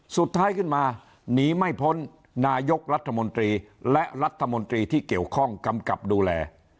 สุดท้ายขึ้นมาหนีไม่พ้นนายกรัฐมนตรีและรัฐมนตรีที่เกี่ยวข้องกำกับดูแล